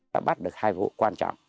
ta bắt được hai vụ quan trọng